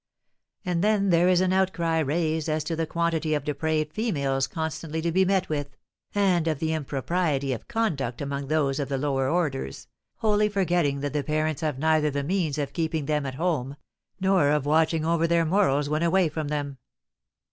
And then there is an outcry raised as to the quantity of depraved females constantly to be met with, and of the impropriety of conduct among those of the lower orders, wholly forgetting that the parents have neither the means of keeping them at home, nor of watching over their morals when away from them."